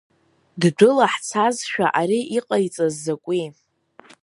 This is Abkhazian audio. Ддәылаҳцазшәа ари иҟаиҵаз закәи?!